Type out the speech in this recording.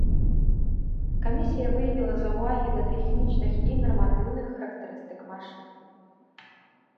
Камісія выявіла заўвагі да тэхнічных і нарматыўных характарыстык машын.